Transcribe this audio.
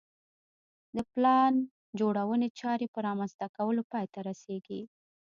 د پلان جوړونې چارې په رامنځته کولو پای ته رسېږي.